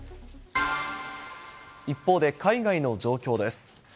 一方で海外の状況です。